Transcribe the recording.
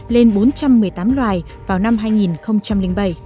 lên bốn trăm một mươi tám loài vào năm hai nghìn bảy